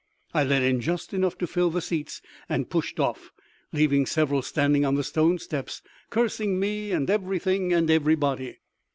I let in just enough to fill the seats and pushed off, leaving several standing on the stone steps cursing me and everything and everybody.